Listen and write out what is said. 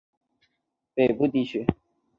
这个区域被分为北边的北部地区。